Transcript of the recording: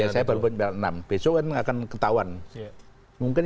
ya saya baru berpikir enam besok kan akan ketahuan